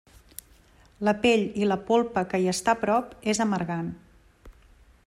La pell i la polpa que hi està a prop és amargant.